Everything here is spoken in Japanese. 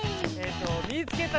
「みいつけた！」